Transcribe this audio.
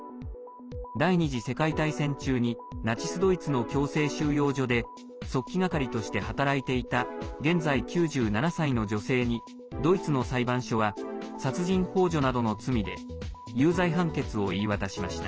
第２次世界大戦中にナチス・ドイツの強制収容所で速記係として働いていた現在９７歳の女性にドイツの裁判所は殺人ほう助などの罪で有罪判決を言い渡しました。